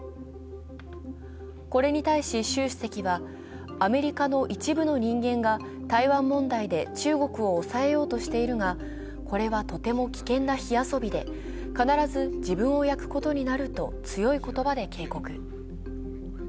これに対し習主席はアメリカの一部の人間が台湾問題で中国を抑えようとしているが、これはとても危険な火遊びで必ず自分を焼くことになると強い言葉で警告。